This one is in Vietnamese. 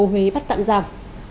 hồ huế bắt tạm giảm